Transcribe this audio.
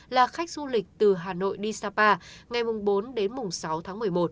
là khách du lịch từ hà nội đi sapa ngày bốn đến mùng sáu tháng một mươi một